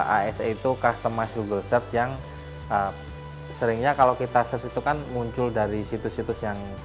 asa itu customized google search yang seringnya kalau kita search itu kan muncul dari situs situs yang